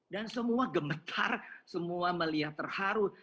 dan semua gemetar semua melihat terharu